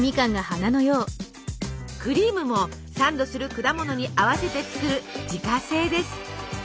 クリームもサンドする果物に合わせて作る自家製です。